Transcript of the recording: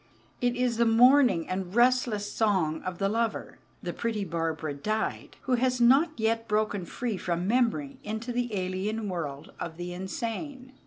It is the mourning and restless song of the lover ("the pretty Barbara died") who has not yet broken free from memory into the alien world of the insane.